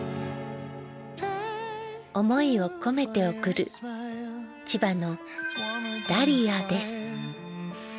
思いを込めて贈る千葉のダリアです。